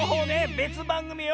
べつばんぐみよ。